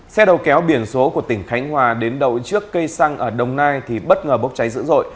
xe đầu kéo biển số của tỉnh khánh hòa đến đầu trước cây xăng ở đồng nai thì bất ngờ bốc cháy dữ dội